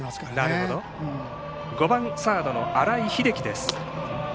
５番、サードの新井瑛喜です。